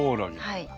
はい。